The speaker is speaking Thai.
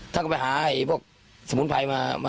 ท่าก็ไปหาให้พวกสมุนไพรมาประชันอยู่